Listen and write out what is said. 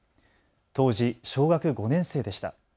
当時、小学５年生でした。